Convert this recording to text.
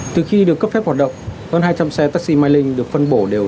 từ khi được cấp phép hoạt động hơn hai trăm linh xe taxi mylink được phân bổ đều